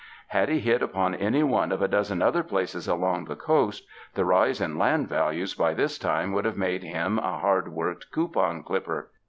Had he hit upon any one of a dozen other places along the coast, the rise in land values by this time would have made him a hard worked coupon clipper.